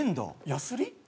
やすり？